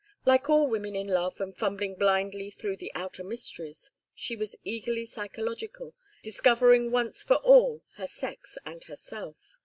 Like all women in love and fumbling blindly through the outer mysteries, she was eagerly psychological, discovering once for all her sex and herself.